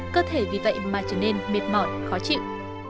cơ thể vì vậy mà trở nên mệt mỏi khó chịu